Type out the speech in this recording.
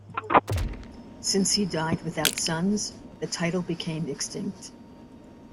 Since he died without sons, the title became extinct.